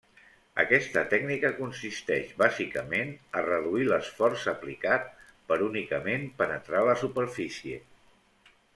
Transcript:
Aquesta tècnica consisteix bàsicament a reduir l'esforç aplicat per únicament penetrar la superfície.